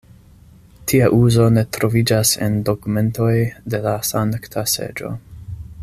Tia uzo ne troviĝas en dokumentoj de la Sankta Seĝo.